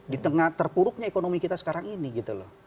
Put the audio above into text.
di tengah terpuruknya ekonomi kita sekarang ini gitu loh